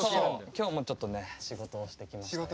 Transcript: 今日もちょっとね仕事をしてきましたよ。